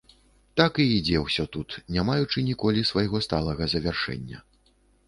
Так і ідзе ўсё тут, не маючы ніколі свайго сталага завяршэння.